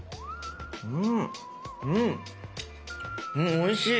おいしい！